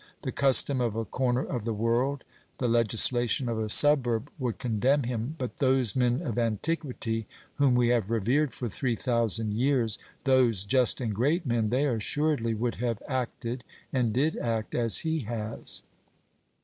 The custom of a corner of the world, the legislation of a suburb would condemn him; but those men of antiquity whom we have revered for three thousand years, those just and great men, they assuredly would have acted, and did act, as he has.